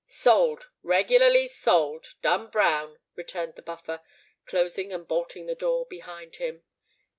"Sold—regularly sold—done brown!" returned the Buffer, closing and bolting the door behind him.